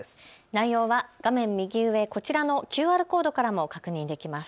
内容は画面右上、こちらのＱＲコードからも確認できます。